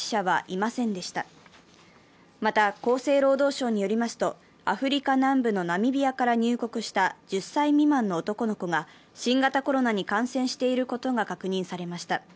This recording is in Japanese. また厚生労働省によりますとアフリカ南部のナミビアから入国した１０歳未満の男の子が新型コロナに感染していることが確認されました。